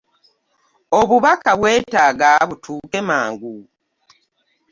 Obubaka bwetaaga butuuke mangu.